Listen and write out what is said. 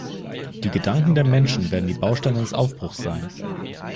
Die Gedanken der Menschen werden die Bausteine des Aufbruchs sein.